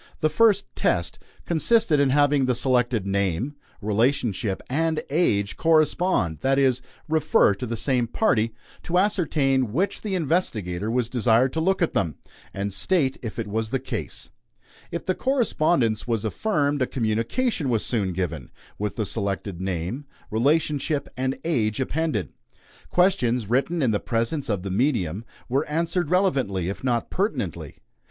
The first "test" consisted in having the selected name, relationship, and age correspond that is, refer to the same party; to ascertain which the investigator was desired to look at them, and state if it was the case. If the correspondence was affirmed, a communication was soon given, with the selected name, relationship, and age appended. Questions, written in the presence of the medium, were answered relevantly, if not pertinently.